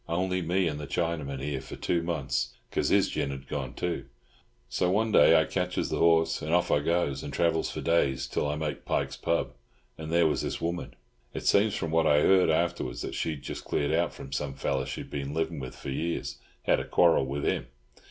Only me and the Chinaman here for two months, 'cause his gin had gone too. So one day I ketches the horses, and off I goes, and travels for days, till I makes Pike's pub, and there was this woman. "It seems from what I heard afterwards that she'd just cleared out from some fellow she'd been livin' with for years—had a quarrel with him.